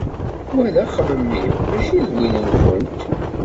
Wa d axemmem-iw mačči d win-nkent.